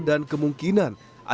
dan kemungkinan penurunan